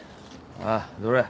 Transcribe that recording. あっどれ。